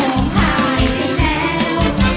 มูลค่า๔๐๐๐๐บาทนะครับ